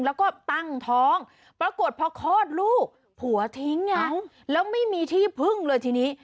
แล้วก็ตั้งท้องปรากฏพอคลอดลูกผัวทิ้งไงแล้วไม่มีที่พึ่งเลยทีนี้